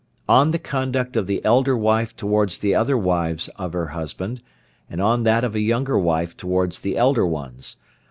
ON THE CONDUCT OF THE ELDER WIFE TOWARDS THE OTHER WIVES OF HER HUSBAND, AND ON THAT OF A YOUNGER WIFE TOWARDS THE ELDER ONES.